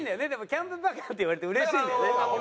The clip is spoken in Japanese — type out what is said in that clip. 「キャンプバカ」って言われてうれしいんだよね？